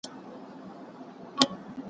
ښی لاس یې په وېښتانو کې تېر او بېر کړ.